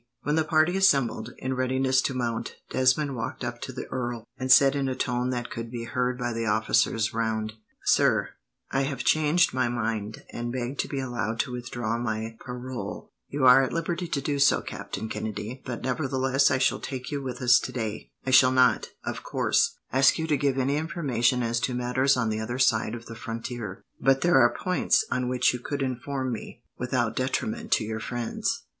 When the party assembled, in readiness to mount, Desmond walked up to the earl, and said in a tone that could be heard by the officers round: "Sir, I have changed my mind, and beg to be allowed to withdraw my parole." "You are at liberty to do so, Captain Kennedy; but nevertheless I shall take you with us today. I shall not, of course, ask you to give any information as to matters on the other side of the frontier, but there are points on which you could inform me, without detriment to your friends."